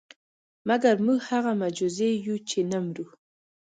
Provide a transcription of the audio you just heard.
مګر موږ هغه معجزې یو چې نه مرو.